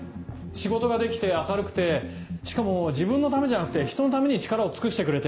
仕事ができて明るくてしかも自分のためじゃなくてひとのために力を尽くしてくれて。